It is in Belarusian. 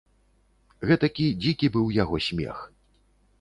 Гэтакі дзікі быў яго смех.